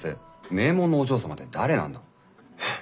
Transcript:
名門のお嬢様って誰なんだ？